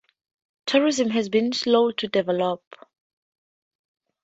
Tourism has been slow to develop.